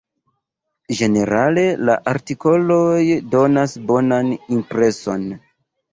Ĝenerale la artikoloj donas bonan impreson.